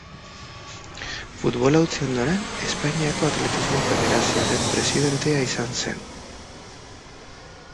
Futbola utzi ondoren, Espainiako Atletismo Federazioaren presidentea izan zen.